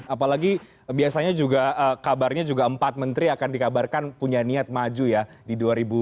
apalagi biasanya juga kabarnya juga empat menteri akan dikabarkan punya niat maju ya di dua ribu dua puluh